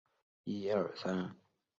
南马农布管辖。